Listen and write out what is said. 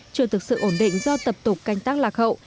chưa thực sự ổn định do tập tục canh tác lạc hậu